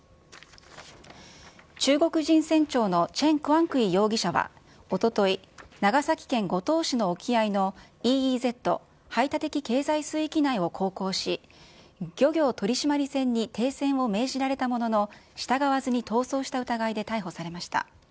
中国人船長のチェン・クアンクィ容疑者はおととい、長崎県五島市の沖合のＥＥＺ・排他的経済水域内を航行し、漁業取締船に停船を命じられたものの、従わずに逃走した疑いで逮捕されました。